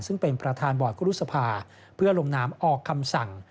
ซึ่งเป็นประธานบอร์ดกรุษภาเพื่อลงนามออกคำสั่ง